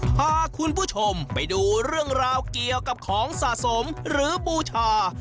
พาคุณผู้ชมไปดูเรื่องราวเกี่ยวกับของสะสมหรือบูชา